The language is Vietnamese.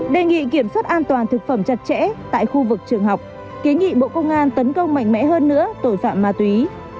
đề nghị kiểm soát an toàn thực phẩm chặt chẽ tại khu vực trường học kiến nghị bộ công an tấn công mạnh mẽ hơn nữa tội phạm ma túy